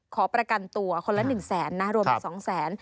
ขอประกันตัวคนละ๑๐๐๐๐๐นะรวมไป๒๐๐๐๐๐